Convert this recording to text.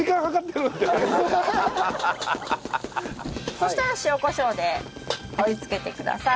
そしたら塩コショウで味付けてください。